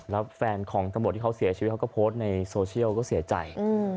แล้วแฟนของตำรวจที่เขาเสียชีวิตเขาก็โพสต์ในโซเชียลก็เสียใจ